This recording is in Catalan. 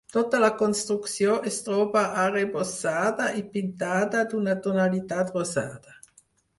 Tota la construcció es troba arrebossada i pintada d'una tonalitat rosada.